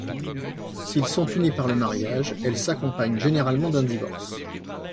S'ils sont unis par le mariage, elle s'accompagne généralement d'un divorce.